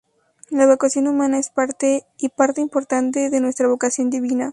La vocación humana es parte, y parte importante de nuestra vocación divina.